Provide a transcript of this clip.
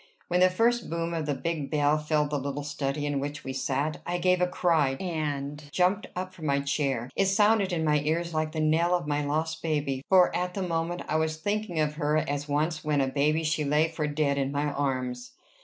When the first boom of the big bell filled the little study in which we sat, I gave a cry, and jumped up from my chair: it sounded in my ears like the knell of my lost baby, for at the moment I was thinking of her as once when a baby she lay for dead in my arms.